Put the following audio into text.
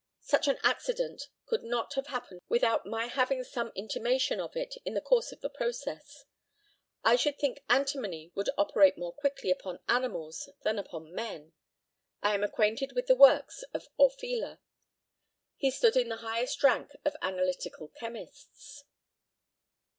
Such an accident could not have happened without my having some intimation of it in the course of the process. I should think antimony would operate more quickly upon animals than upon men. I am acquainted with the works of Orfila. He stood in the highest rank of analytical chemists.